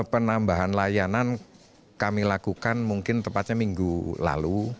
penambahan layanan kami lakukan mungkin tepatnya minggu lalu